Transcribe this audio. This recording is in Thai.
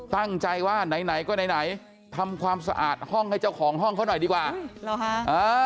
ตั้งใจว่าไหนไหนก็ไหนไหนทำความสะอาดห้องให้เจ้าของห้องเขาหน่อยดีกว่าหรอฮะเออ